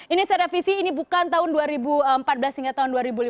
ini saya revisi ini bukan tahun dua ribu empat belas hingga tahun dua ribu lima belas